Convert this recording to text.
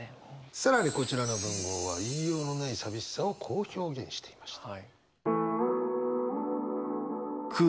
更にこちらの文豪は言いようのない寂しさをこう表現していました。